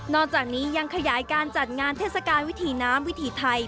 จากนี้ยังขยายการจัดงานเทศกาลวิถีน้ำวิถีไทย